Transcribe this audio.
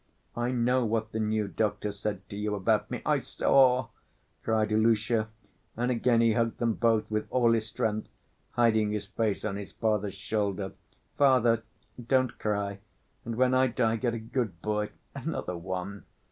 I know what the new doctor said to you about me.... I saw!" cried Ilusha, and again he hugged them both with all his strength, hiding his face on his father's shoulder. "Father, don't cry, and when I die get a good boy, another one